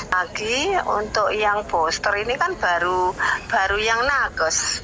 lagi untuk yang booster ini kan baru yang nakus